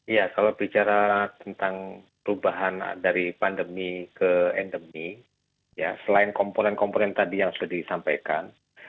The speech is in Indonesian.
ya kalau bicara tentang perubahan dari pandemi ke endemi ya selain komponen komponen tadi yang sudah disampaikan